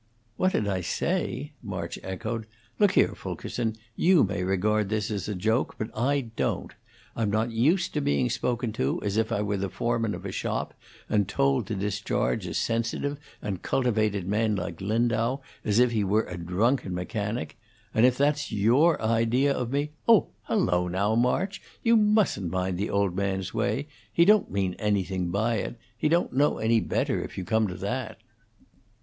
"What did I say?" March echoed. "Look here, Fulkerson; you may regard this as a joke, but I don't. I'm not used to being spoken to as if I were the foreman of a shop, and told to discharge a sensitive and cultivated man like Lindau, as if he were a drunken mechanic; and if that's your idea of me " "Oh, hello, now, March! You mustn't mind the old man's way. He don't mean anything by it he don't know any better, if you come to that."